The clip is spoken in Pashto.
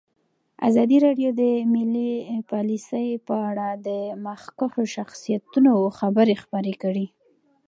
ازادي راډیو د مالي پالیسي په اړه د مخکښو شخصیتونو خبرې خپرې کړي.